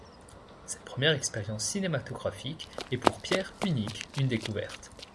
Cette première expérience cinématographique est pour Pierre Unik une découverte.